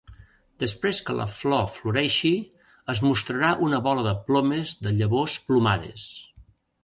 Després que la flor floreixi, es mostrarà una bola de plomes de llavors plomades.